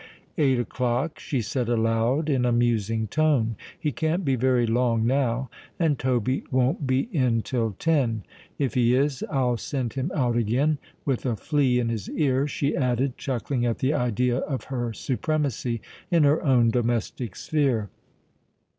"Eight o'clock," she said aloud in a musing tone. "He can't be very long now; and Toby won't be in till ten. If he is, I'll send him out again—with a flea in his ear," she added, chuckling at the idea of her supremacy in her own domestic sphere.